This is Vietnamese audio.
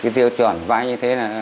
tiêu chuẩn vay như thế là